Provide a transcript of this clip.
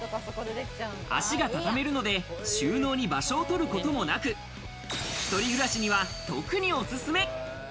脚が畳めるので、収納に場所をとることもなく一人暮らしには特におすすめ。